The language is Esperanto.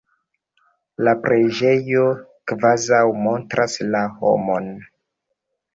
La preĝejo kvazaŭ montras la homon.